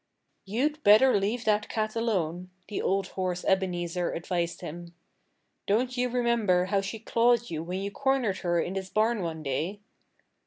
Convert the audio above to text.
"You'd better leave that cat alone," the old horse Ebenezer advised him. "Don't you remember how she clawed you when you cornered her in this barn one day?"